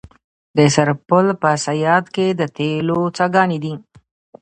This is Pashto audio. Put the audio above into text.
د سرپل په صیاد کې د تیلو څاګانې دي.